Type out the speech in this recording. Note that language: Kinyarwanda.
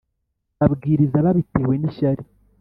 babwiriza babitewe n ishyari